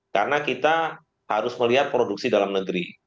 karena kita harus melihat produksi dalam negeri